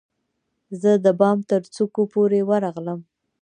زه د بام ترڅوکو پورې ورغلم